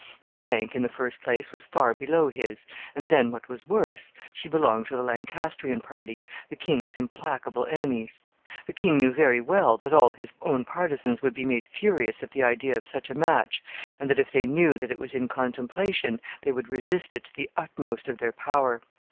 Her rank, in the first place, was far below his, and then, what was worse, she belonged to the Lancastrian party, the king's implacable enemies. The king knew very well that all his own partisans would be made furious at the idea of such a match, and that, if they knew that it was in contemplation, they would resist it to the utmost of their power.